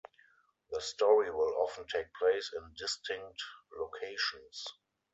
The story will often take place in distinct locations.